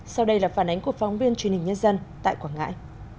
sau đây là phản ánh của phóng viên truyền hình nhân dân tại quảng ngãi